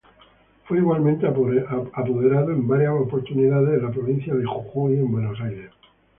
Fue igualmente apoderado en varias oportunidades de la Provincia de Jujuy en Buenos Aires.